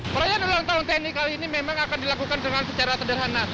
perayaan ulang tahun tni kali ini memang akan dilakukan dengan secara sederhana